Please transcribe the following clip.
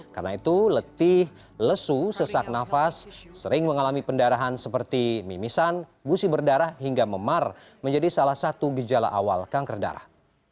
karena itu letih lesu sesak nafas sering mengalami pendarahan seperti mimisan gusi berdarah hingga memar menjadi salah satu gejala awal kanker darah